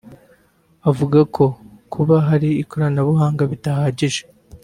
avuga ko kuba hari ikoranabuhanga bidahagije